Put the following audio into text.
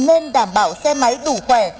nên đảm bảo xe máy đủ khỏe